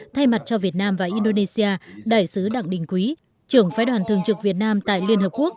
thay mặt cho việt nam và indonesia đại sứ đặng đình quý trưởng phái đoàn thường trực việt nam tại liên hợp quốc